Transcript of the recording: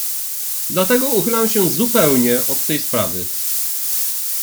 "Dlatego uchylam się zupełnie od tej sprawy."